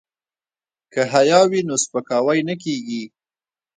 که حیا وي نو سپکاوی نه کیږي.